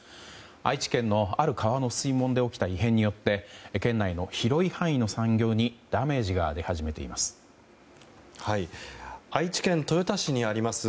愛知県のある川の水門で起きた異変によって県内の広い範囲の産業にダメージが出始めています。